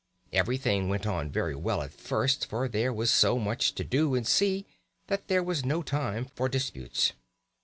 Everything went on very well at first, for there was so much to do and see that there was no time for disputes.